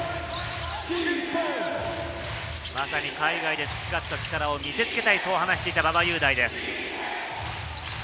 まさに海外で培った力を見せつけたいと話していた馬場雄大です。